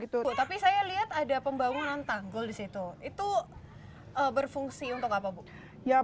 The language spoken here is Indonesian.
betul tapi saya lihat ada pembangunan tanggul di situ itu berfungsi untuk apa bu